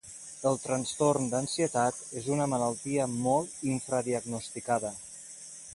El trastorn d'ansietat és una malaltia molt infradiagnosticada.